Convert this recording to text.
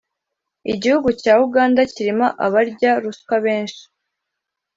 igihugu cya uganda kirimo abarya ruswa benshi